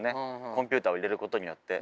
コンピューターを入れることによって。